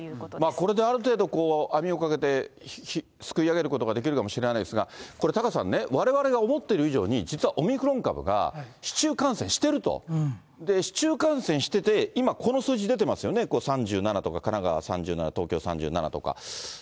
これである程度、網をかけて、すくい上げることができるかもしれないですが、これ、タカさんね、われわれが思っている以上に、実はオミクロン株が市中感染していると、市中感染してて、今、この数字出てますよね、３７とか、神奈川３７、東京３７とか。